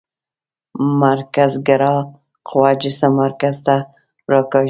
مرکزګرا قوه جسم مرکز ته راکاږي.